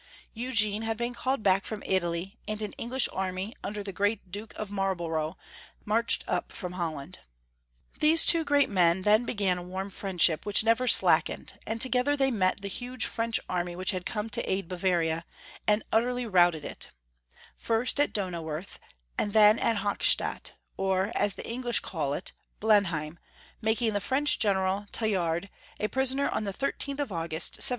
Eugene had been called back from Italy, and an English army, under the great Duke of Marlborough, marched up from Holland. These two great men then began a warm friendship, which never slack ened, and together they met the huge French army which had come to aid Bavaria, and utterly routed it — first at Donauwerth, and then at Hochstadt, or, as the English call it, Blenheim, making the French general, Tallard, a prisoner on the 13th of August, 1701.